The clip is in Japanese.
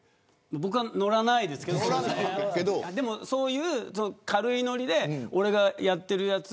僕はのらないですけれどそういう軽いノリで俺がやっているやつ